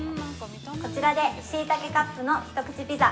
こちらで「しいたけカップのひと口ピザ」